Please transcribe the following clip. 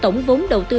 tổng vốn đầu tư